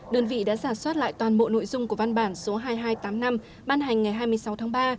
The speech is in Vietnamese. đơn vị đã giả soát lại toàn bộ nội dung của văn bản số hai nghìn hai trăm tám mươi năm ban hành ngày hai mươi sáu tháng ba